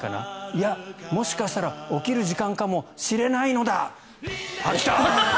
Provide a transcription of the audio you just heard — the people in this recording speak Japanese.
いや、もしかしたら起きる時間かもしれないのだ！